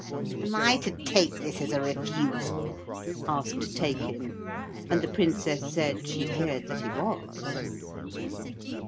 'Am I to take this as a refusal?' asked Taykin; and the Princess said she feared that he was.